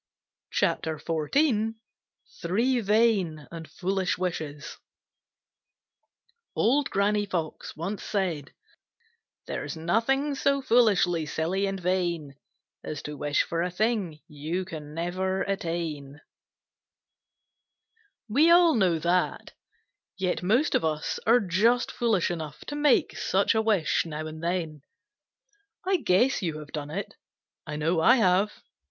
CHAPTER XIV Three Vain And Foolish Wishes There's nothing so foolishly silly and vain As to wish for a thing you can never attain. —Old Granny Fox. We all know that, yet most of us are just foolish enough to make such a wish now and then. I guess you have done it. I know I have.